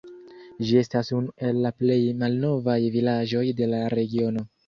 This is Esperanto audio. Ĝi estas unu el la plej malnovaj vilaĝoj de la regiono.